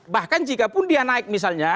bahkan jikapun dia naik misalnya